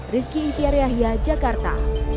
rizky ipiyariahia jakarta